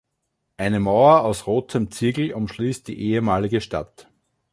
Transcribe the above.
Eine Mauer aus rotem Ziegel umschließt die ehemalige Stadt.